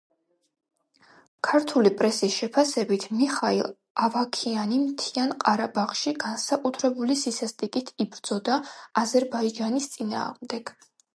ქართული პრესის შეფასებით, მიხაილ ავაქიანი მთიან ყარაბაღში განსაკუთრებული სისასტიკით იბრძოდა აზერბაიჯანის წინააღმდეგ.